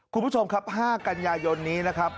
คุณผู้ชมครับ๕กันยายนนี้นะครับ